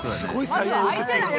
まずは相手だよ。